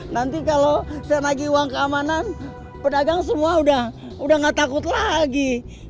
nanti kalau saya nagih uang keamanan pedagang semua udah gak takut lagi